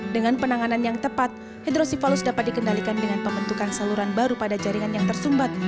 dengan penanganan yang tepat hidrosipalus dapat dikendalikan dengan pembentukan saluran baru pada jaringan yang tersumbat